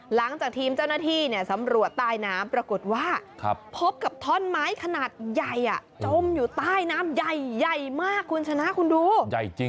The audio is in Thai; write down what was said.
หลังจากทีมเจ้าหน้าที่สำรวจใต้น้ำปรากฏว่าพบกับท่อนไม้ขนาดใหญ่จมอยู่ใต้น้ำใหญ่ใหญ่มากคุณชนะคุณดูใหญ่จริง